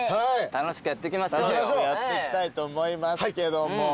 楽しくやっていきたいと思いますけども。